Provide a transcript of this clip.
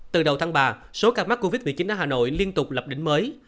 từ đầu tháng ba số ca mắc covid một mươi chín ở hà nội liên tục lập đỉnh mới